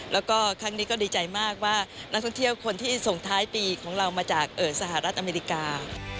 แล้วก็ครั้งนี้ก็ดีใจมากว่านักท่องเที่ยวคนที่ส่งท้ายปีของเรามาจากสหรัฐอเมริกา